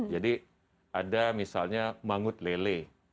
jadi ada misalnya mangut lele